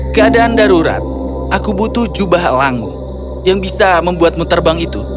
keadaan darurat aku butuh jubah langu yang bisa membuatmu terbang itu